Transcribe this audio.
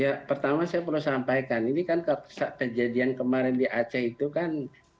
ya pertama saya perlu sampaikan ini kan kejadian kemarin di aceh itu kan